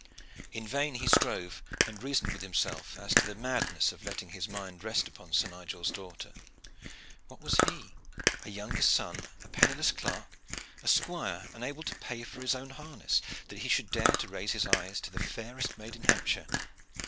In vain he strove and reasoned with himself as to the madness of letting his mind rest upon Sir Nigel's daughter. What was he a younger son, a penniless clerk, a squire unable to pay for his own harness that he should dare to raise his eyes to the fairest maid in Hampshire?